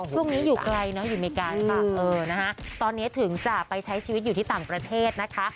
ช่วงนี้อยู่ไกลเนอะอยู่อเมริกาค่ะตอนนี้ถึงจะไปใช้ชีวิตอยู่ที่ต่างประเทศนะคะ